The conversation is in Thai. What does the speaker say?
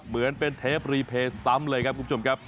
เหมือนเป็นเทปรีเพย์ซ้ำเลยครับคุณผู้ชมครับ